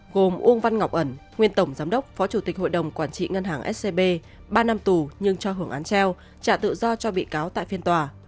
gồm uông văn ngọc ẩn nguyên tổng giám đốc phó chủ tịch hội đồng quản trị ngân hàng scb ba năm tù nhưng cho hưởng án treo trả tự do cho bị cáo tại phiên tòa